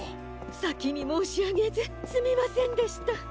さきにもうしあげずすみませんでした。